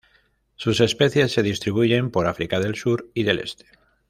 Sus especies se distribuyen por África del sur y del este.